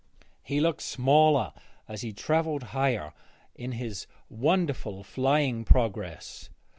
He looked smaller as he travelled higher in his wonderful flying progress.